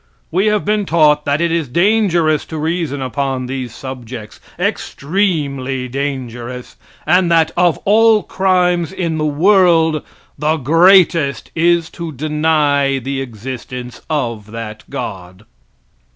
We have been taught that it is dangerous to reason upon these subjects extremely dangerous and that of all crimes in the world, the greatest is to deny the existence of that God.